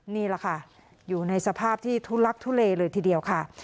นี่แหละค่ะอยู่ในสภาพที่ทุลักทุเลเลยทีเดียวค่ะ